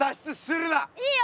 いいよ